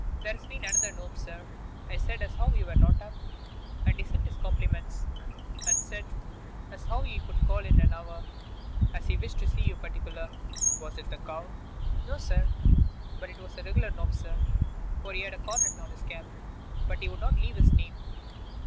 'There has been another nob, sir. I said as how you were not up, and he sent his compliments, and said as how he would call in an hour, as he wished to see you particular.' 'Was it the Count?' 'No, sir; but it was a regular nob, sir, for he had a coronet on his cab. But he would not leave his name.